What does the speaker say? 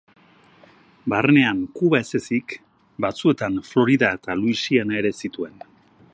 Barnean Kuba ez ezik, batzuetan Florida eta Luisiana ere zituen.